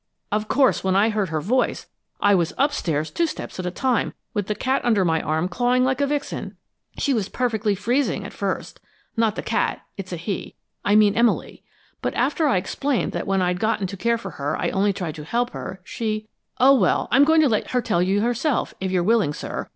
"Of course, when I heard her voice, I was upstairs two steps at a time, with the cat under my arm clawing like a vixen. She was perfectly freezing at first not the cat; it's a he; I mean Emily. But after I explained that when I'd gotten to care for her I only tried to help her, she oh, well, I'm going to let her tell you herself, if you're willing, sir!